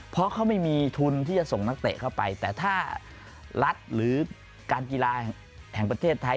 เพราะเขาไม่มีทุนที่จะส่งนักเตะเข้าไปแต่ถ้ารัฐหรือการกีฬาแห่งประเทศไทย